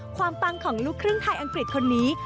ปังของลูกครึ่งไทยอังกฤษคนนี้